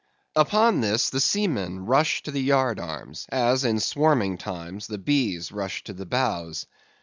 Upon this, the seamen rushed to the yard arms, as in swarming time the bees rush to the boughs.